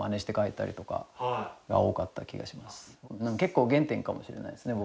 結構原点かもしれないですね